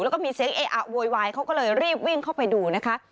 แล้วก็มีเสียงเออะโวยวายเขาก็เลยรีบวิ่งเข้าไปดูนะคะ